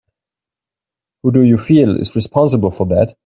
Who do you feel is responsible for that?